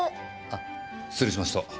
あ失礼しました。